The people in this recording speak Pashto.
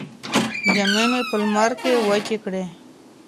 جامې په لمر کې وچې کړئ.